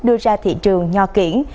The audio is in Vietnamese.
đưa ra thị trường nho kiện